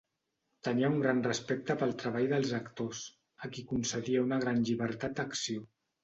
Tenia un gran respecte pel treball dels actors, a qui concedia una gran llibertat d'acció.